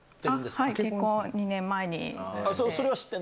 はい、結婚、２年前にして。